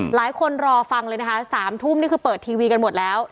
รอฟังเลยนะคะ๓ทุ่มนี่คือเปิดทีวีกันหมดแล้ว